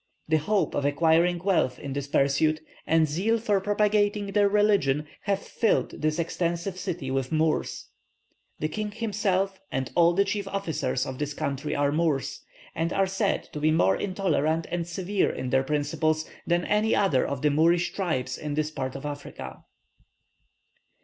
The hope of acquiring wealth in this pursuit, and zeal for propagating their religion, have filled this extensive city with Moors. The king himself and all the chief officers of his court are Moors, and are said to be more intolerant and severe in their principles than any other of the Moorish tribes in this part of Africa."